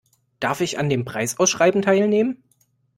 Darf ich an dem Preisausschreiben teilnehmen?